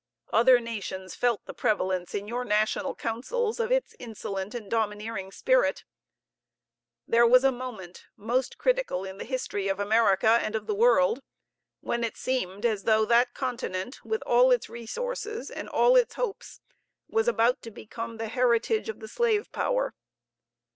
Other nations felt the prevalence in your national councils of its insolent and domineering spirit. There was a moment, most critical in the history of America and of the world, when it seemed as though that continent, with all its resources and all its hopes, was about to become the heritage of the slave power.